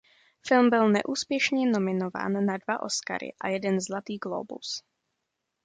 Film byl neúspěšně nominován na dva Oscary a jeden Zlatý glóbus.